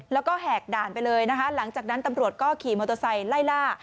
แล้วก็แหกด่านไปเลยนะคะหลังจากนั้นตำรวจก็ขี่มอเตอร์ไซค์ไล่ล่า